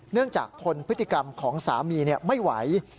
จากทนพฤติกรรมของสามีไม่ไหว